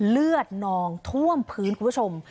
เลือดนองท่วมพื้นคุณผู้ชม